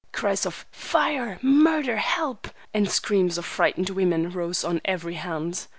Cries of "Fire!" "Murder!" "Help!" and screams of frightened women, rose on every hand.